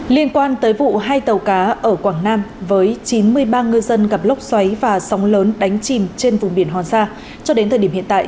liên quan tới vụ hai tàu cá ở quảng nam với chín mươi ba ngư dân gặp lốc xoáy và sóng lớn đánh chìm trên vùng biển hòn sa cho đến thời điểm hiện tại